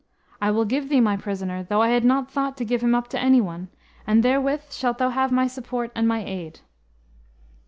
"I will give thee my prisoner, though I had not thought to give him up to any one, and therewith shalt thou have my support and my aid."